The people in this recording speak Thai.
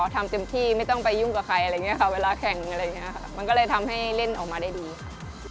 ทำเต็มที่ไม่ต้องไปยุ่งกับใครอะไรอย่างนี้ค่ะเวลาแข่งอะไรอย่างนี้ค่ะมันก็เลยทำให้เล่นออกมาได้ดีค่ะ